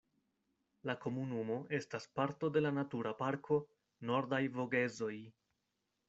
La komunumo estas parto de la Natura Parko Nordaj Vogezoj.